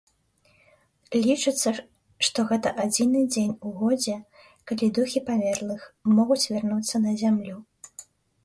Лічыцца, што гэта адзіны дзень у годзе, калі духі памерлых могуць вярнуцца на зямлю.